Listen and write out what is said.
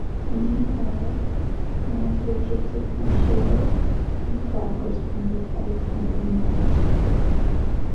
Meanwhile, Mars rejected martial law, and Clark responded by bombing Mars.